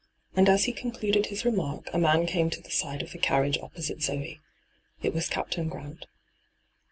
And as he concluded his remark a man came to the side of the carriage opposite Zoe. It was Captain Grant.